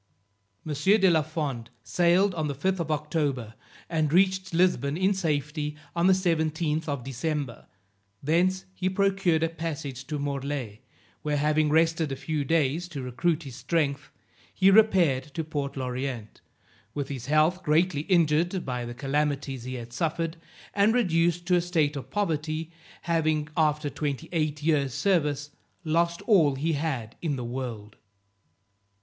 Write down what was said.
M. de la Fond sailed on the 5th of October, and reached Lisbon in safety on the 17th of December; thence he procured a passage to Morlaix, where having rested a few days to recruit his strength, he repaired to Port L'Orient, with his health greatly injured by the calamities he had suffered, and reduced to a state of poverty, having after twenty eight years service, lost all he had in the world.